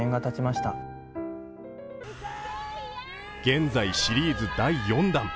現在、シリーズ第４弾。